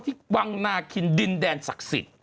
ที่วังนาคินดินแดนศักดิ์สิทธิ์